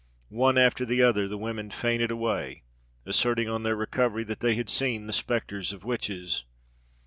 One after the other the women fainted away, asserting on their recovery that they had seen the spectres of witches.